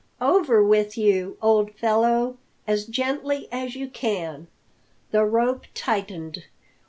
"Over with you, old fellow! As gently as you can!" The rope tightened.